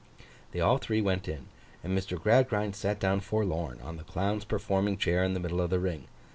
They all three went in; and Mr. Gradgrind sat down forlorn, on the Clown's performing chair in the middle of the ring.